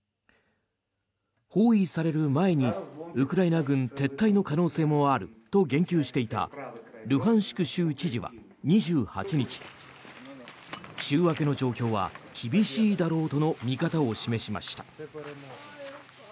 包囲される前にウクライナ軍撤退の可能性もあると言及していたルハンシク州知事は２８日週明けの状況は厳しいだろうとの見方を示しました。